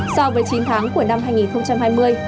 so với chín tháng của năm hai nghìn hai mươi